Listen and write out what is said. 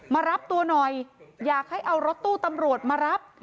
มารับตัวหน่อยอยากให้เอารถตู้ตำรวจมารับ